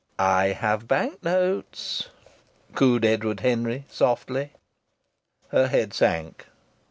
"I have bank notes," cooed Edward Henry, softly. Her head sank.